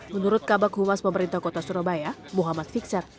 menurut kabak humas pemerintah kota surabaya muhammad fikser